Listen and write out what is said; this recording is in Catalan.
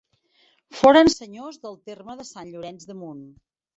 Foren senyors del terme de Sant Llorenç de Munt.